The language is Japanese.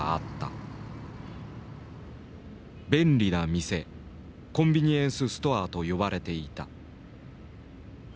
「便利な店」「コンビニエンスストア」と呼ばれていた。